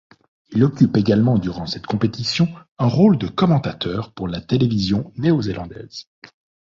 Il occupe également durant cette compétition un rôle de commentateur pour la télévision néo-zélandaise.